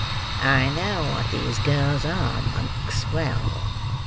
I know what these girls are, Monks, well.